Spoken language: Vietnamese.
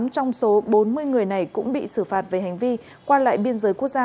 tám trong số bốn mươi người này cũng bị xử phạt về hành vi qua lại biên giới quốc gia